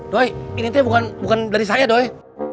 doi ini teh bukan dari saya doi